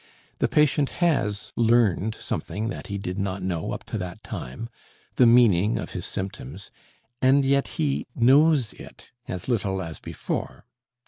The patient has learned something that he did not know up to that time, the meaning of his symptoms, and yet he knows it as little as before.